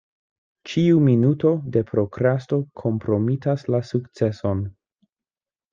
Ĉiu minuto de prokrasto kompromitas la sukceson.